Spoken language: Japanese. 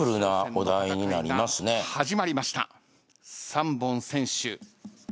３本先取。